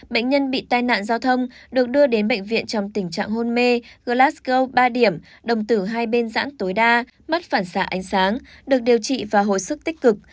bệnh nhân bị tai nạn giao thông được đưa đến bệnh viện trong tình trạng hôn mê galasgo ba điểm đồng tử hai bên giãn tối đa mất phản xạ ánh sáng được điều trị và hồi sức tích cực